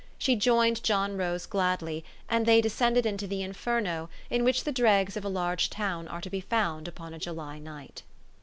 She joined John Eose gladly, and they descended into the Inferno in which the dregs of a large town are to be found upon a July night.